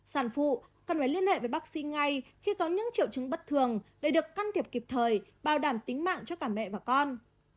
sản phụ cần phải liên hệ với bác sĩ ngay khi có những triệu chứng bất thường để được can thiệp kịp thời bảo đảm tính mạng cho cả mẹ và con